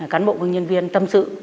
cán bộ công nhân viên tâm sự